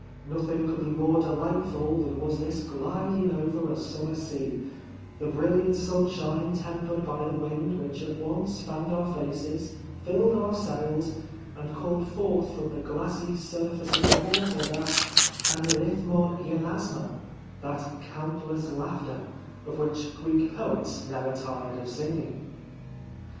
Nothing could be more delightful than was this glid ing over a summer sea : the brilliant sunshine tempered by the wind which at once fanned our faces, filled our sails, and called forth from the glassy surface of the water that dvT7pi#/Aoi> ye'Aaoyxa — that countless laughter — of which Greek poets never tired of singing.